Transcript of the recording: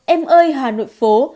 em ơi hà nội phố